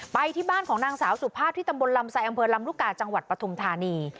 ไปที่บ้านของนางสาวสุภาพที่ตำบลลำไซอำเภอลำลูกกาจังหวัดปฐุมธานี